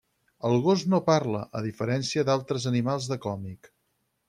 El gos no parla, a diferència d'altres animals de còmic.